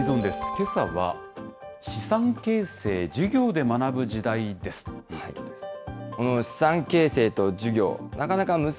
けさは資産形成、授業で学ぶ時代ですということです。